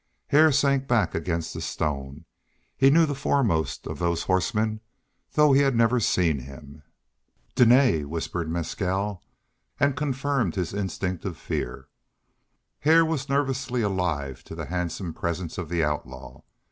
Hare sank back against the stone. He knew the foremost of those horsemen though he had never seen him. "Dene," whispered Mescal, and confirmed his instinctive fear. Hare was nervously alive to the handsome presence of the outlaw.